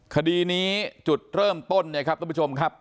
คดีนี้จุดเริ่มต้นเนี่ยครับท่านผู้ชมครับ